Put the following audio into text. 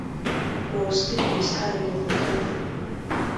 Ur skeudenn am eus kavet da vont gantañ.